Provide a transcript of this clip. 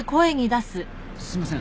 すいません。